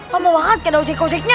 lama banget kan ada ojek ojeknya